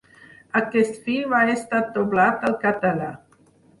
Aquest film ha estat doblat al català.